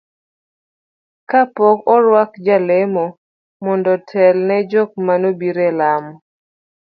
kapok orwuak jalemo mondo otel ne jok maneobiro e lamo